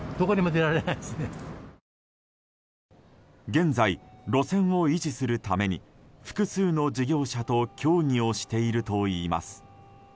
現在、路線を維持するために複数の事業者と協議をしているといいます。